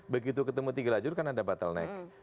begitu ketemu tiga lajur kan ada bottleneck